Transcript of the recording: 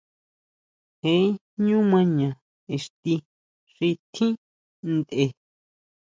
Jee ʼñú maña ixti xi tjín ntʼe.